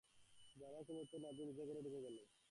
দারোয়ান কোনো উত্তর না-দিয়ে নিজের ঘরে ঢুকে গেল।